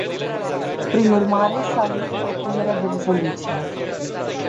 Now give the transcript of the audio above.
Prin urmare, salut propunerea de rezoluție.